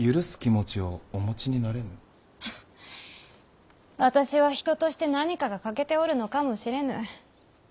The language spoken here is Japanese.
は私は人として何かが欠けておるのかもしれぬ。